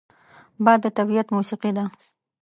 باد د طبیعت موسیقي ده